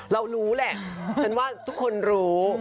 รู้แหละฉันว่าทุกคนรู้